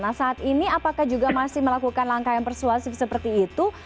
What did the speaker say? nah saat ini apakah juga masih melakukan langkah yang persuasif seperti itu